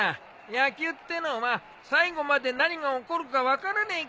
野球っていうのは最後まで何が起こるか分からねえから面白えんだ。